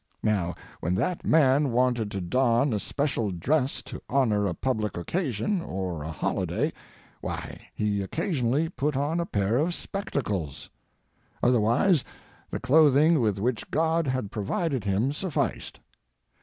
Now, when that man wanted to don especial dress to honor a public occasion or a holiday, why, he occasionally put on a pair of spectacles. Otherwise the clothing with which God had provided him sufficed.